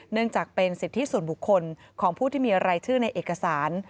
เนื่องจากเป็นสิทธิส่วนบุคคลของผู้ที่มีรายชื่อในเอกสาร